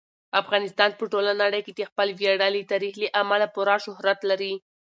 افغانستان په ټوله نړۍ کې د خپل ویاړلي تاریخ له امله پوره شهرت لري.